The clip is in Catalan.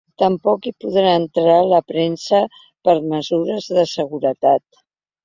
Tampoc hi podrà entrar la premsa per mesures de seguretat.